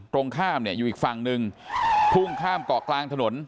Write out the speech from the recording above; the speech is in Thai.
ตรงข้ามเนี่ยอยู่อีกฝั่งหนึ่งพุ่งข้ามเกาะกลางถนน